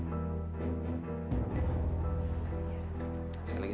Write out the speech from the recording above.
aku pulang dulu ya